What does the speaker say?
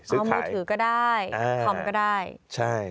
มือถือก็ได้คอมก็ได้